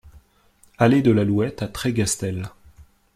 Allée de l'Alouette à Trégastel